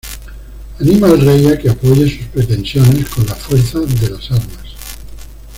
Anima al rey a que apoye sus pretensiones con la fuerza de las armas.